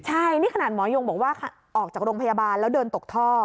ใช่นี่ขนาดหมอยงบอกว่าออกจากโรงพยาบาลแล้วเดินตกท่อ